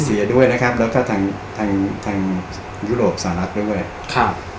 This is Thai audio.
เสียด้วยนะครับแล้วก็ทางทางยุโรปสหรัฐด้วยครับ